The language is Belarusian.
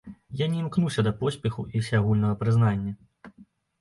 Я не імкнуся да поспеху і ўсеагульнага прызнання.